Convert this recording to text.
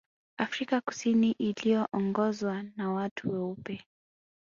Afrika Kusini iliyoongozwa na watu weupe